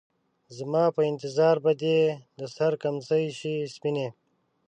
زما په انتظار به دې د سـر کمڅـۍ شي سپينې